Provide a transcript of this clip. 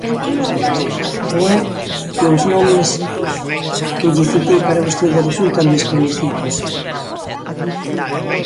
¿Ou é que os nomes que lle citei para vostede resultan descoñecidos?